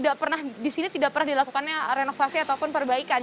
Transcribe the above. di sini tidak pernah dilakukan renovasi ataupun perbaikan